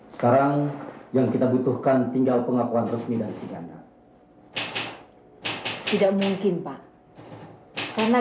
sekarang yang kita butuhkan tinggal pengakuan resmi dari sidangnya tidak mungkin pak karena